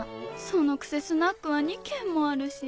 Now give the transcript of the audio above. そのくせスナックは２軒もあるし。